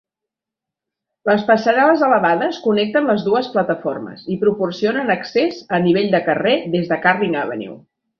Les passarel·les elevades connecten les dues plataformes i proporcionen accés a nivell de carrer des de Carling Avenue.